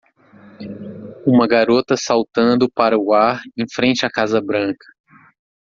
Uma garota saltando para o ar em frente à casa Branca.